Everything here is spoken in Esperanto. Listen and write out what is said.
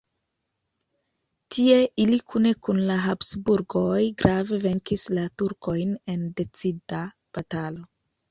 Tie ili kune kun la Habsburgoj grave venkis la turkojn en decida batalo.